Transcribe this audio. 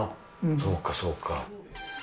そうか、そうか。